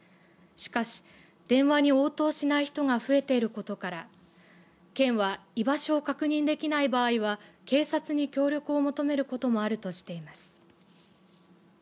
しかし、電話に応答しない人が増えていることから県は居場所を確認できない場合は警察に協力を求めることもあるとしています。